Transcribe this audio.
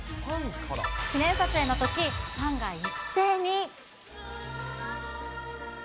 記念撮影のとき、ファンが一斉に。